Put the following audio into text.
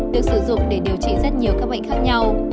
được sử dụng để điều trị rất nhiều các bệnh khác nhau